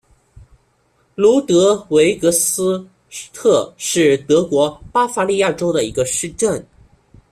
卢德维格斯塔特是德国巴伐利亚州的一个市镇。